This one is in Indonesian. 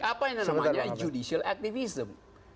apa yang namanya judicial activism